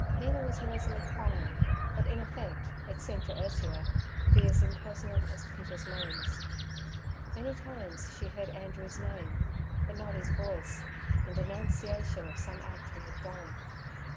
Mina was noisily crying, but, in effect, it seemed to Ursula to be as impersonal as Peter's moans. Many times she heard Andrew's name, but not his voice, in denunciation of some act he had done.